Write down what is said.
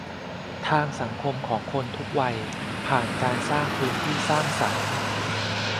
ทางสังคมของคนทุกวัยผ่านการสร้างพื้นที่สร้างสรรค์